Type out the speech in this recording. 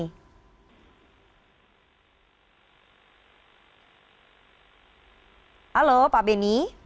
halo pak beni